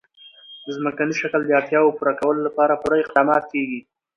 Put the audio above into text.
د ځمکني شکل د اړتیاوو پوره کولو لپاره پوره اقدامات کېږي.